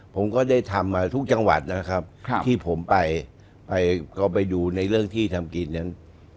ผมก็ได้ทำมาทุกจังหวัดนะครับที่ผมไปไปก็ไปดูในเรื่องที่ทำกินนั้น